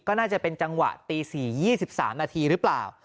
ก็น่าจะเป็นจังหวะตีสี่ยี่สิบสามนาทีหรือเปล่า